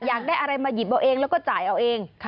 อยากได้อะไรมาหยิบเอาเองแล้วก็จ่ายเอาเอง